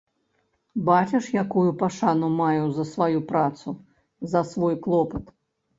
Бачыш, якую пашану маю за сваю працу, за свой клопат.